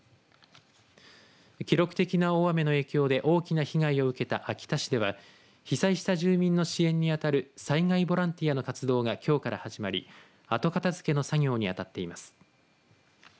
記録的な大雨の影響で大きな被害を受けた秋田市では被災した住民の支援に当たる災害ボランティアの活動がきょうから始まり後片づけの作業に当たっています。